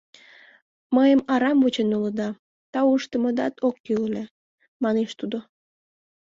— Мыйым арам вучен улыда, тау ыштымыдат ок кӱл ыле! — манеш тудо.